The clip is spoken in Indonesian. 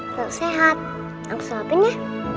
kalau sehat aku sopin ya